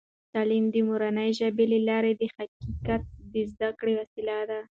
تعلیم د مورنۍ ژبې له لارې د حقیقت د زده کړې وسیله ده.